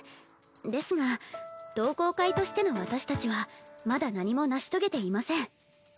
ですが同好会としての私たちはまだ何も成し遂げていません。